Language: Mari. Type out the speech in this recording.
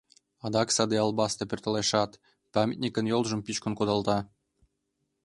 Адак саде албаста пӧртылешат, памятникын йолжым пӱчкын кудалта.